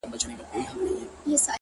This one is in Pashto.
چي ديـدنونه پــــه واوښـتل؛